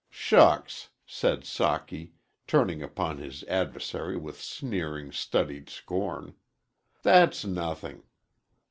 "Shucks!" said Socky, turning upon his adversary with sneering, studied scorn. "That's nothing!"